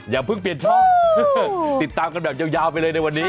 อย่าเพิ่งเปลี่ยนช่องติดตามกันแบบยาวไปเลยในวันนี้